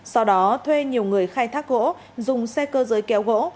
sau đó thuê nhiều người khai thác gỗ dùng xe cơ giới kéo gỗ